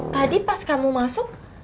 tadi pas kamu masuk